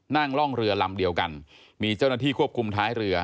ร่องเรือลำเดียวกันมีเจ้าหน้าที่ควบคุมท้ายเรือ